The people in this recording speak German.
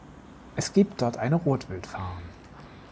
Es gibt dort eine Rotwild-Farm.